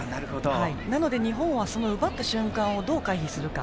なので日本は奪った瞬間をどう回避するか。